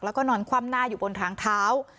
แล้วก็นอนคว่ำหน้าอยู่บนทางเท้า